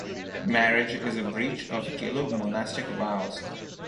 Marriage is a breach of Gelug monastic vows.